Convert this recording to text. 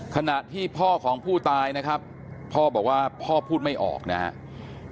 ขณะที่พ่อของผู้ตายนะครับพ่อบอกว่าพ่อพูดไม่ออกนะครับ